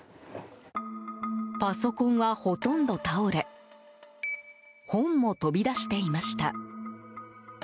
パソコンは、ほとんど倒れ本も飛び出していました。